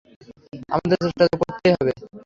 আমাদের চেষ্টা তো করতেই হবে।